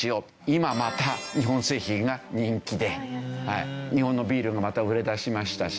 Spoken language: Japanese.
今また日本の製品が人気で日本のビールがまた売れ出しましたしね。